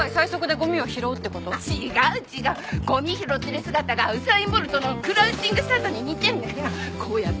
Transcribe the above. ゴミ拾ってる姿がウサイン・ボルトのクラウチングスタートに似てるのよ。